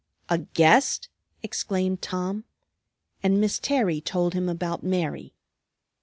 "A guest?" exclaimed Tom. And Miss Terry told him about Mary.